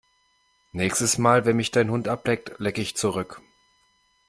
Nächstes Mal, wenn mich dein Hund ableckt, lecke ich zurück!